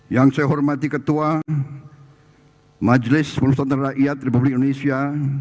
yang saya hormati ketua majelis pemusatan rakyat republik indonesia